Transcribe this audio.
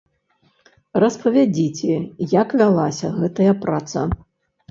Распавядзіце, як вялася гэтая праца.